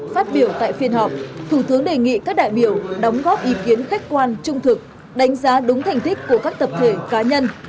phát biểu tại phiên họp thủ tướng đề nghị các đại biểu đóng góp ý kiến khách quan trung thực đánh giá đúng thành tích của các tập thể cá nhân